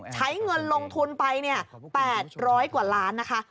ใช้เงินลงทุนไปเนี่ยแปดร้อยกว่าล้านนะคะ